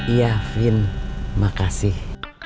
iya fin makasih